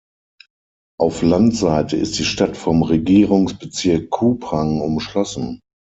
Auf Landseite ist die Stadt vom Regierungsbezirk Kupang umschlossen.